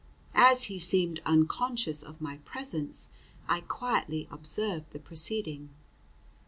As he seemed unconscious of my presence, I quietly observed the proceedings.